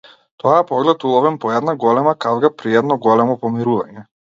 Тоа е поглед уловен по една голема кавга, при едно големо помирување.